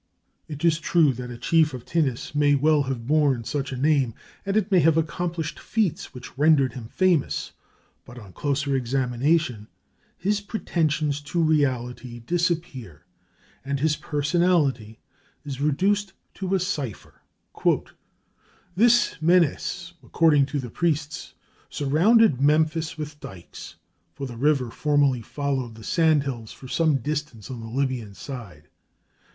It is true that a chief of Thinis may well have borne such a name, and may have accomplished feats which rendered him famous; but on closer examination his pretensions to reality disappear, and his personality is reduced to a cipher. "This Menes, according to the priests, surrounded Memphis with dikes. For the river formerly followed the sand hills for some distance on the Libyan side.